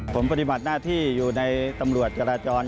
ผมปฏิบัติหน้าที่อยู่ในตำรวจจราจร